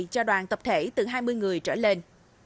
cho đoàn tập thể từ hai mươi người trở lên